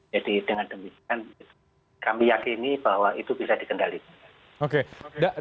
jadi dengan demikian kami yakin bahwa itu bisa dikendalikan